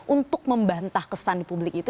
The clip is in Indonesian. untuk membantah kesan di publik itu